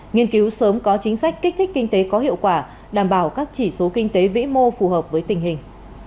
nghiên cứu sớm có chính sách kích thích kinh tế có hiệu quả đảm bảo các chỉ số kinh tế vĩ mô phù hợp với tình hình